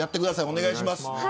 お願いします。